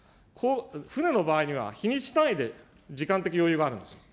船の場合には、日にち単位で時間的余裕があるんですよ。